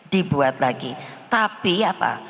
dibuat lagi tapi apa